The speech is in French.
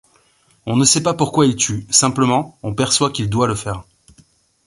On ne sait pas pourquoi il tue, simplement, on perçoit qu'il doit le faire.